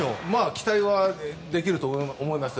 期待はできると思いますよ。